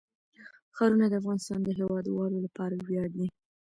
ښارونه د افغانستان د هیوادوالو لپاره ویاړ دی.